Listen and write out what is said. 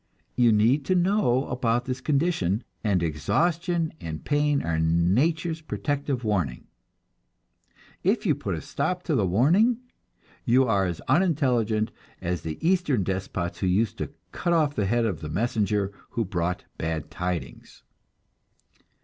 You need to know about this condition, and exhaustion and pain are nature's protective warning. If you put a stop to the warning, you are as unintelligent as the Eastern despots who used to cut off the head of the messenger who brought bad tidings.